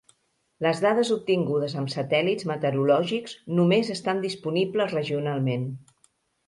Les dades obtingudes amb satèl·lits meteorològics només estan disponibles regionalment.